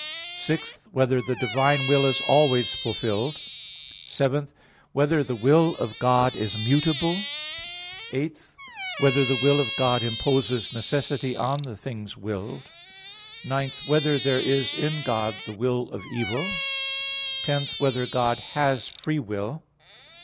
(6) Whether the divine will is always fulfilled? (7) Whether the will of God is mutable? (8) Whether the will of God imposes necessity on the things willed? (9) Whether there is in God the will of evil? (10) Whether God has free will?